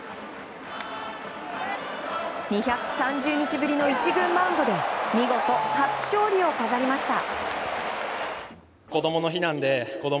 ２３０日ぶりの１軍マウンドで見事、初勝利を飾りました。